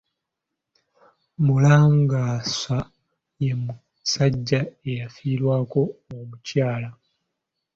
Mulangansa ye musajja ayafiirwako omukyala.